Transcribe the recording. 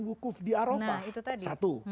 wukuf di arofah